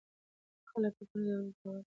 خلک په کورني تولید باور لري.